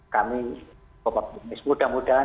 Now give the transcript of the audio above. kami bapak optimis mudah mudahan